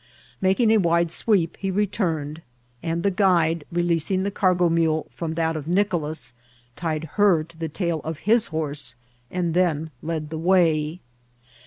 Making a wider sweep, he retiflrned, and the guide, releasing the cargo mule from that of Nicolas, tied her to the tail of his horse, and then led die way.